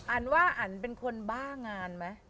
อาร์นว่าอาร์นเป็นคนบ้างานไหม